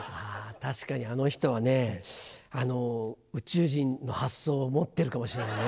確かにあの人はね宇宙人の発想を持ってるかもしれないね。